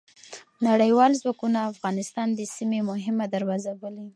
نړیوال ځواکونه افغانستان د سیمې مهمه دروازه بولي.